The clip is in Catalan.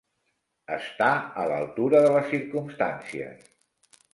Estar a l'altura de les circumstàncies.